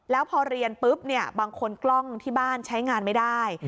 แล้วพอเรียนปุ๊บเนี่ยบางคนกล้องที่บ้านใช้งานไม่ได้